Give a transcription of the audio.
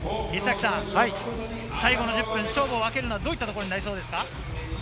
最後の１０分、勝負を分けるのはどういったところになりそうですか？